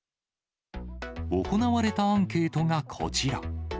行われたアンケートがこちら。